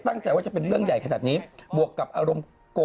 มะนาวชอบเปรี้ยวมีอีกไหม